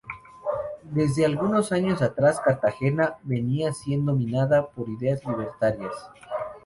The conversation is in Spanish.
Desde algunos años atrás Cartagena venía siendo minada por ideas libertarias.